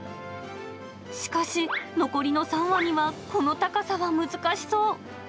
しかし、残りの３羽にはこの高さは難しそう。